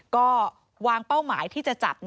ก็วางเป้าหมายที่จะจับ